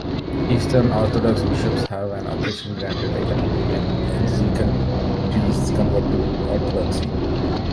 Eastern Orthodox bishops have, on occasion, granted "economy" when Anglican priests convert to Orthodoxy.